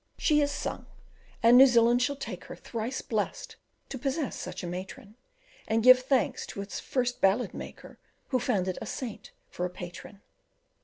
She is sung, and New Zealand shall take her, Thrice blest to possess such a matron, And give thanks to its first ballad maker, Who found it a saint for a patron.